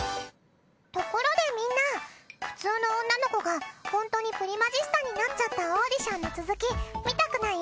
ところでみんな普通の女の子がホントにプリマジスタになっちゃったオーディションの続き見たくない？